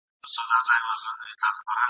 له آدمه تر دې دمه ټول پیران یو ..